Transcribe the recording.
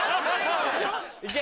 いけ！